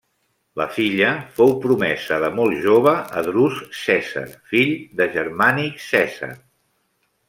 La filla fou promesa de molt jove a Drus Cèsar, fill de Germànic Cèsar.